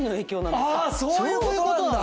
そういうことなんだ！